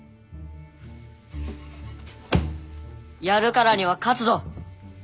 やるからには勝つぞ。